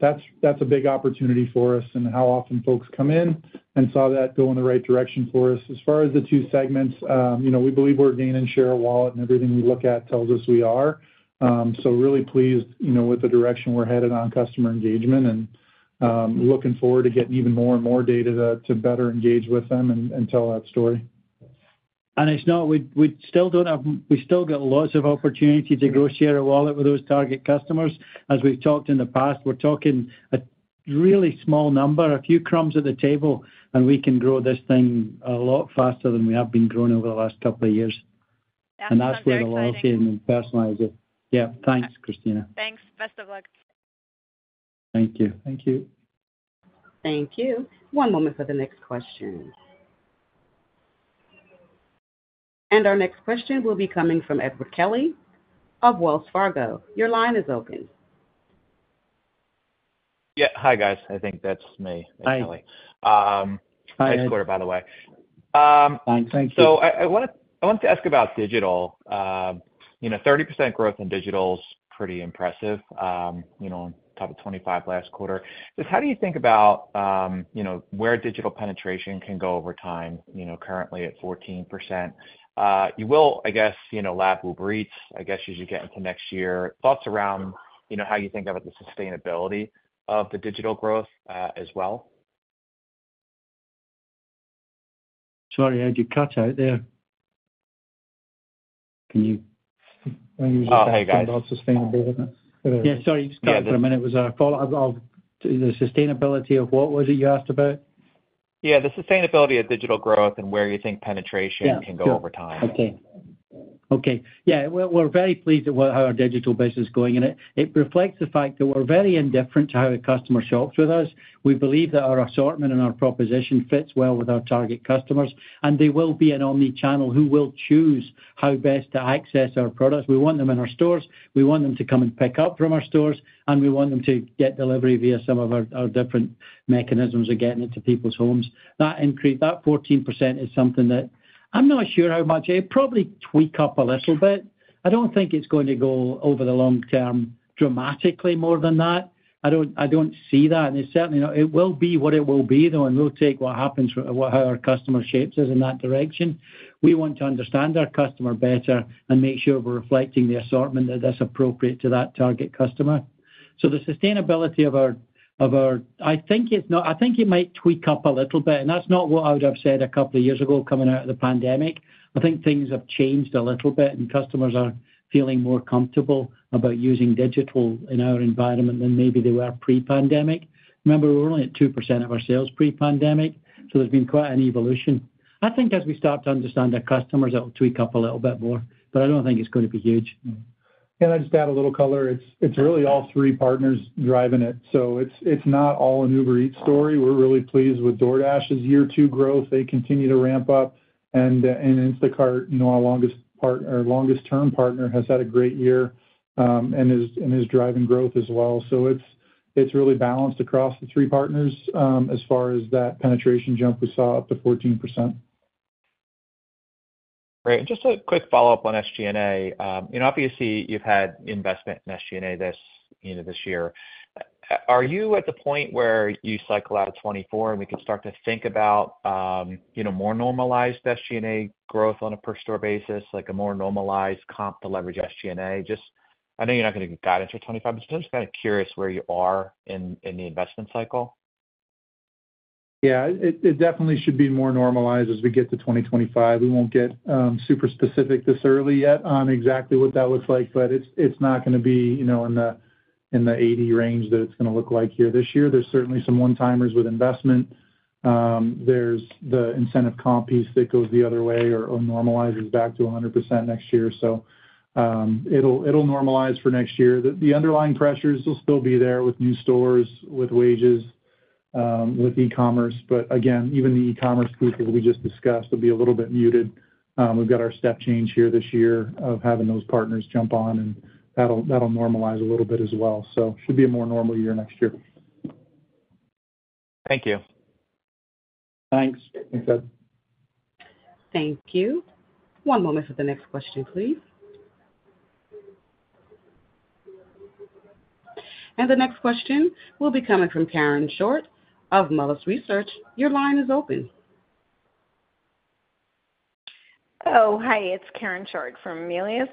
That's a big opportunity for us and how often folks come in and saw that go in the right direction for us. As far as the two segments, you know, we believe we're gaining share of wallet, and everything we look at tells us we are. So really pleased, you know, with the direction we're headed on customer engagement and looking forward to getting even more and more data to better engage with them and tell that story. It's not. We still don't have. We've still got lots of opportunity to grow share of wallet with those target customers. As we've talked in the past, we're talking a really small number, a few crumbs at the table, and we can grow this thing a lot faster than we have been growing over the last couple of years. Yeah, very exciting. That's where the loyalty and personalizing. Yeah, thanks, Christina. Thanks. Best of luck. Thank you. Thank you. Thank you. One moment for the next question. Our next question will be coming from Edward Kelly of Wells Fargo. Your line is open. Yeah. Hi, guys. I think that's me. Hi. It's Kelly. Hi. Great quarter, by the way. Thank you. So I wanted to ask about digital. You know, 30% growth in digital is pretty impressive, you know, top of 25 last quarter. Just how do you think about, you know, where digital penetration can go over time, you know, currently at 14%? You will, I guess, you know, lap Uber Eats, I guess, as you get into next year. Thoughts around, you know, how you think about the sustainability of the digital growth, as well?... Sorry, I had you cut out there. Can you- Oh, hi, guys. About sustainability? Yeah, sorry, you cut out for a minute. Was our follow-up of the sustainability of what was it you asked about? Yeah, the sustainability of digital growth and where you think penetration- Yeah, sure. can go over time. Okay. Okay. Yeah, we're, we're very pleased with how our digital business is going, and it, it reflects the fact that we're very indifferent to how a customer shops with us. We believe that our assortment and our proposition fits well with our target customers, and they will be an omni-channel who will choose how best to access our products. We want them in our stores, we want them to come and pick up from our stores, and we want them to get delivery via some of our, our different mechanisms of getting it to people's homes. That increase, that 14% is something that I'm not sure how much. It'll probably tweak up a little bit. I don't think it's going to go over the long term dramatically more than that. I don't, I don't see that, and it's certainly not. It will be what it will be, though, and we'll take what happens with how our customer shapes us in that direction. We want to understand our customer better and make sure we're reflecting the assortment that is appropriate to that target customer. So the sustainability of our, of our. I think it's not. I think it might tweak up a little bit, and that's not what I would have said a couple of years ago coming out of the pandemic. I think things have changed a little bit, and customers are feeling more comfortable about using digital in our environment than maybe they were pre-pandemic. Remember, we were only at 2% of our sales pre-pandemic, so there's been quite an evolution. I think as we start to understand our customers, that will tweak up a little bit more, but I don't think it's going to be huge. Can I just add a little color? It's really all three partners driving it, so it's not all an Uber Eats story. We're really pleased with DoorDash's year two growth. They continue to ramp up, and Instacart, you know, our longest term partner, has had a great year and is driving growth as well. So it's really balanced across the three partners, as far as that penetration jump we saw up to 14%. Great. And just a quick follow-up on SG&A. And obviously, you've had investment in SG&A this, you know, this year. Are you at the point where you cycle out of 2024, and we can start to think about, you know, more normalized SG&A growth on a per store basis, like a more normalized comp to leverage SG&A? Just, I know you're not going to give guidance for 2025, but I'm just kind of curious where you are in, in the investment cycle. Yeah, it, it definitely should be more normalized as we get to 2025. We won't get super specific this early yet on exactly what that looks like, but it's, it's not gonna be, you know, in the, in the 80 range that it's gonna look like here this year. There's certainly some one-timers with investment. There's the incentive comp piece that goes the other way or, or normalizes back to 100% next year. So, it'll, it'll normalize for next year. The, the underlying pressures will still be there with new stores, with wages, with e-commerce. But again, even the e-commerce piece that we just discussed will be a little bit muted. We've got our step change here this year of having those partners jump on, and that'll, that'll normalize a little bit as well. Should be a more normal year next year. Thank you. Thanks. Thanks, Ted. Thank you. One moment for the next question, please. The next question will be coming from Karen Short of Moelis Research. Your line is open. Oh, hi, it's Karen Short from Moelis.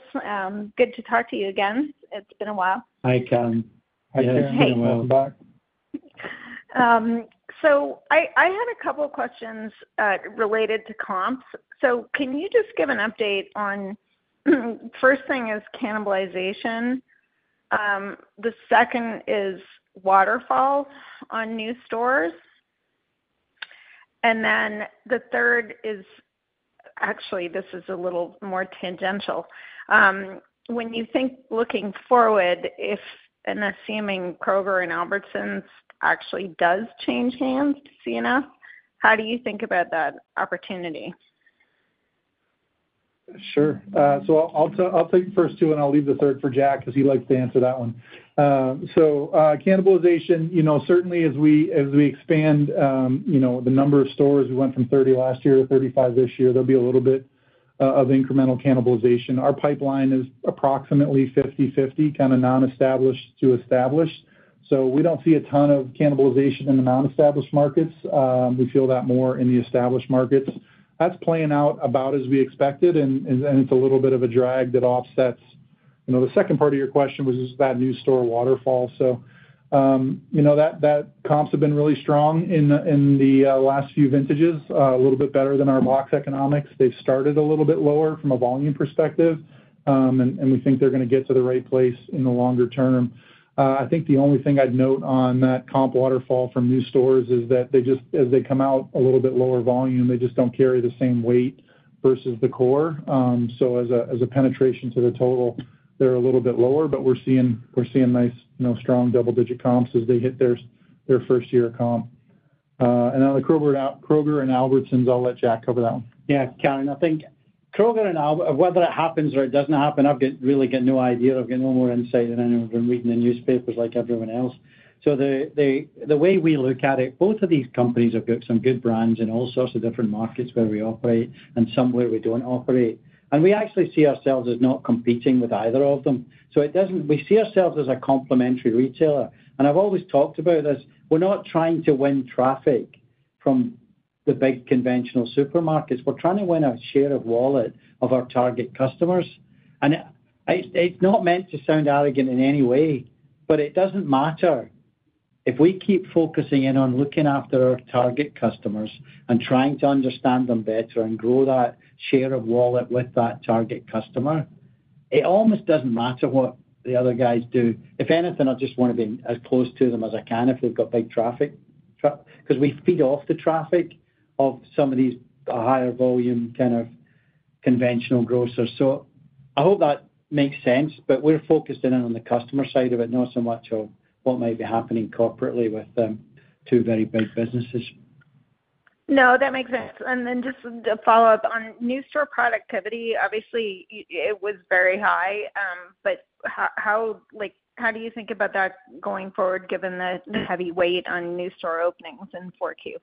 Good to talk to you again. It's been a while. Hi, Karen. Hi, Karen. Welcome back. I had a couple of questions related to comps. So can you just give an update on, first thing is cannibalization, the second is waterfall on new stores, and then the third is... Actually, this is a little more tangential. When you think looking forward, if an assuming Kroger and Albertsons actually does change hands to C&S, how do you think about that opportunity? Sure. So I'll take the first two, and I'll leave the third for Jack, because he likes to answer that one. So, cannibalization, you know, certainly as we expand, you know, the number of stores, we went from 30 last year to 35 this year, there'll be a little bit of incremental cannibalization. Our pipeline is approximately 50/50, kind of non-established to established. So we don't see a ton of cannibalization in the non-established markets. We feel that more in the established markets. That's playing out about as we expected, and it's a little bit of a drag that offsets. You know, the second part of your question was just about new store waterfall. So, you know, that comps have been really strong in the last few vintages, a little bit better than our box economics. They've started a little bit lower from a volume perspective, and we think they're gonna get to the right place in the longer term. I think the only thing I'd note on that comp waterfall from new stores is that they just, as they come out a little bit lower volume, they just don't carry the same weight versus the core. So as a penetration to the total, they're a little bit lower, but we're seeing nice, you know, strong double-digit comps as they hit their first-year comp. And on the Kroger and Albertsons, I'll let Jack cover that one. Yeah, Karen, I think Kroger and Albertsons, whether it happens or it doesn't happen, I've really got no idea. I've got no more insight than anyone reading the newspapers like everyone else. So the way we look at it, both of these companies have got some good brands in all sorts of different markets where we operate and some where we don't operate. And we actually see ourselves as not competing with either of them. So it doesn't - we see ourselves as a complementary retailer, and I've always talked about this. We're not trying to win traffic from the big conventional supermarkets. We're trying to win a share of wallet of our target customers. And it's not meant to sound arrogant in any way, but it doesn't matter-... If we keep focusing in on looking after our target customers and trying to understand them better and grow that share of wallet with that target customer, it almost doesn't matter what the other guys do. If anything, I just want to be as close to them as I can if they've got big traffic, because we feed off the traffic of some of these higher volume, kind of, conventional grocers. So I hope that makes sense, but we're focused in on the customer side of it, not so much on what might be happening corporately with two very big businesses. No, that makes sense. And then just to follow up, on new store productivity, obviously, it was very high. But how—like, how do you think about that going forward, given the heavy weight on new store openings in 4Q? Yeah,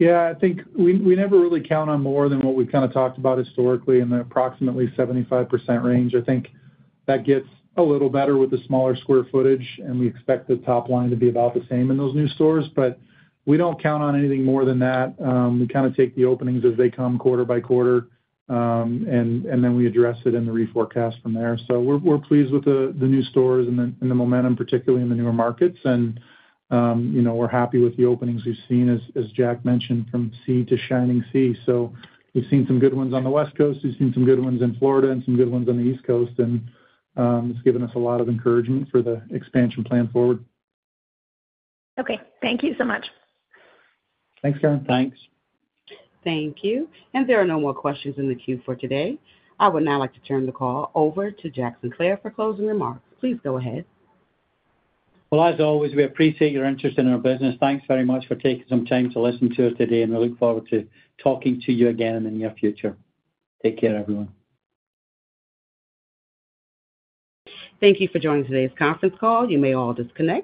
I think we never really count on more than what we've kind of talked about historically in the approximately 75% range. I think that gets a little better with the smaller square footage, and we expect the top line to be about the same in those new stores, but we don't count on anything more than that. We kind of take the openings as they come, quarter by quarter, and then we address it in the reforecast from there. So we're pleased with the new stores and the momentum, particularly in the newer markets. And, you know, we're happy with the openings we've seen, as Jack mentioned, from sea to shining sea. We've seen some good ones on the West Coast, we've seen some good ones in Florida and some good ones on the East Coast, and it's given us a lot of encouragement for the expansion plan forward. Okay. Thank you so much. Thanks, Karen. Thanks. Thank you. There are no more questions in the queue for today. I would now like to turn the call over to Jack Sinclair for closing remarks. Please go ahead. Well, as always, we appreciate your interest in our business. Thanks very much for taking some time to listen to us today, and we look forward to talking to you again in the near future. Take care, everyone. Thank you for joining today's conference call. You may all disconnect.